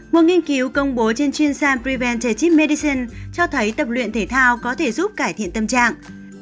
một nghiên cứu công bố trên chuyên sàn preventative medicine cho thấy tập luyện thể thao có thể giúp cải thiện tâm trạng